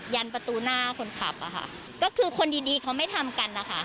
ยันประตูหน้าคนขับอะค่ะก็คือคนดีดีเขาไม่ทำกันนะคะ